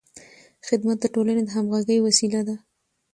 خدمت د ټولنې د همغږۍ وسیله ګرځي.